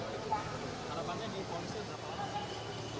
harapannya di fonis berapa